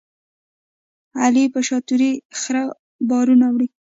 علي په شاتوري خره بارونه وړي.